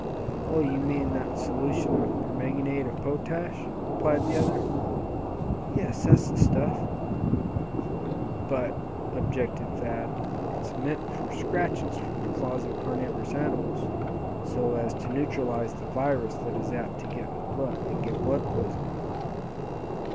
"Oh! you mean that solution of permanganate of potash," replied the other. "Yes, that's the stuff." "But," objected Thad, "it's meant for scratches from the claws of carnivorous animals, so as to neutralize the virus that is apt to get in the blood, and give blood poisoning."